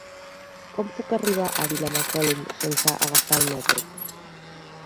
Com puc arribar a Vilamacolum sense agafar el metro?